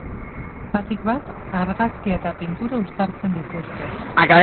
Batik bat, argazkia eta pintura uztartzen dituzte.